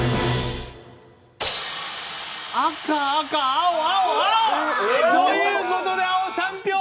赤赤青青青！ということで青３票